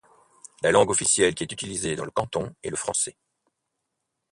La langue officielle qui est utilisée dans le canton est le français.